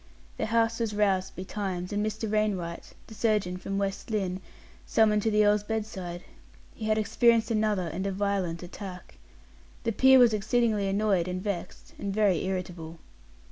The house was roused betimes, and Mr. Wainwright, the surgeon from West Lynne, summoned to the earl's bedside; he had experienced another and a violent attack. The peer was exceedingly annoyed and vexed, and very irritable.